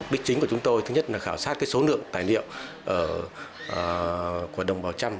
đích chính của chúng tôi thứ nhất là khảo sát số lượng tài liệu của đồng bào trăm